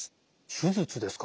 手術ですか。